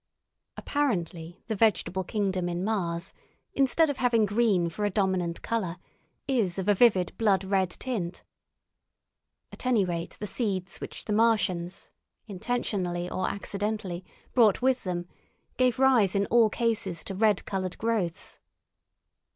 Apparently the vegetable kingdom in Mars, instead of having green for a dominant colour, is of a vivid blood red tint. At any rate, the seeds which the Martians (intentionally or accidentally) brought with them gave rise in all cases to red coloured growths.